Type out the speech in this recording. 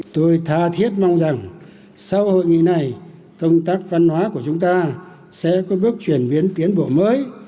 tôi tha thiết mong rằng sau hội nghị này công tác văn hóa của chúng ta sẽ có bước chuyển biến tiến bộ mới